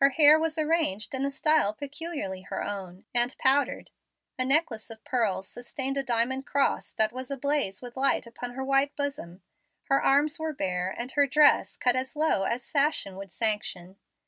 Her hair was arranged in a style peculiarly her own, and powdered. A necklace of pearls sustained a diamond cross that was ablaze with light upon her white bosom. Her arms were bare, and her dress cut as low as fashion would sanction.